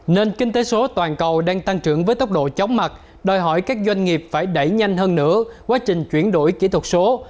nền kinh tế số toàn cầu đang tăng trưởng với tốc độ chóng mặt đòi hỏi các doanh nghiệp phải đẩy nhanh hơn nữa quá trình chuyển đổi kỹ thuật số